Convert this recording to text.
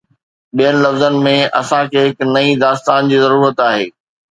ٻين لفظن ۾، اسان کي هڪ نئين داستان جي ضرورت آهي.